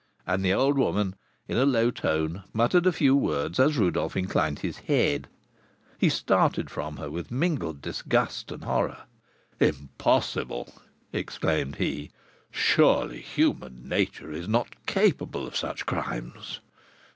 And the old woman, in a low tone, muttered a few words as Rodolph inclined his head; he started from her, with mingled disgust and horror. "Impossible!" exclaimed he. "Surely human nature is not capable of such crimes!"